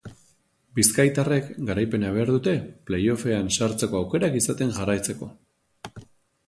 Bizkaitarrek garaipena behar dute play-offean sartzeko aukerak izaten jarraitzeko.